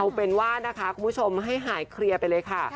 เอาเป็นว่านะคะคุณผู้ชมให้หายเคลียร์ไปเลยค่ะ